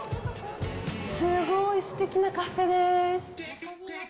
すごいすてきなカフェです。